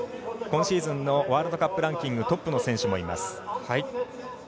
今シーズンのワールドカップランキングトップの選手もいます。